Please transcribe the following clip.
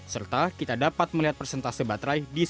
serta kita dapat melihat persentase baterai di speedometer